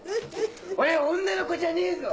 俺女の子じゃねえぞ！